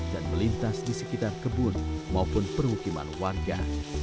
dan melintas di sekitar kebun maupun permukiman warga